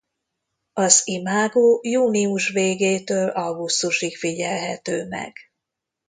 Az imágó június végétől augusztusig figyelhető meg.